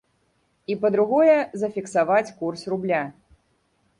І, па-другое, зафіксаваць курс рубля.